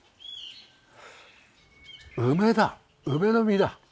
梅だ梅の実だ。